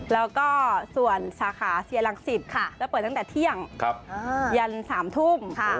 แล้วก็ส่วนสาขาเสียหลัก๑๐แล้วเปิดตั้งแต่เที่ยงยัน๓ทุ่ม